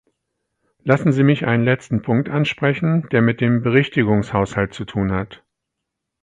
Lassen Sie mich einen letzten Punkt ansprechen, der mit dem Berichtigungshaushalt zu tun hat.